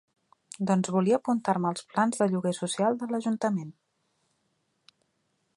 Doncs volia apuntar-me als plans de lloguer social de l'ajuntament.